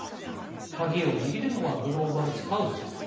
鍵を握るのはグローバルサウスです。